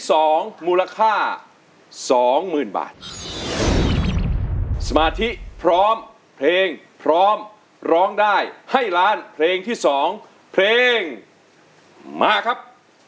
มูลค่าสองหมื่นบาทสมาธิพร้อมเพลงพร้อมร้องได้ให้ล้านเพลงที่สองเพลงมาครับ